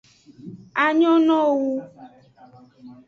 A nyonowo wu.